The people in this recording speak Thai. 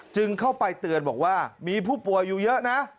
จึงเข้าไปเตือนบอกว่ามีผู้ป่วยอยู่เยอะนะ